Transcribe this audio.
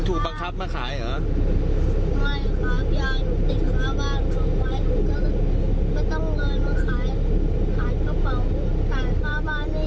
พี่ให้ไปแล้วไงลวก